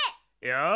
よし！